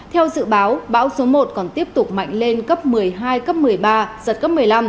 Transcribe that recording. theo dự báo bão số một còn tiếp tục mạnh lên cấp một mươi hai cấp một mươi ba giật cấp một mươi năm